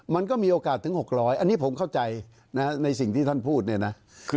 มันก็มีโอกาสถึง๖๐๐อันนี้ผมเข้าใจในสิ่งที่ท่านพูดเนี่ยนะ